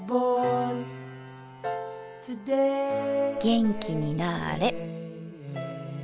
元気になあれ。